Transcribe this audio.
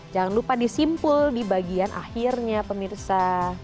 jangan lupa disimpul di bagian akhirnya pemirsa